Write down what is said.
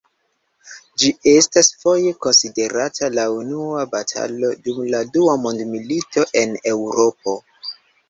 Ĝi estas foje konsiderata la unua batalo dum la dua mondmilito en Eŭropo.